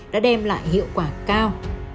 đã đem lại hiệu quả cao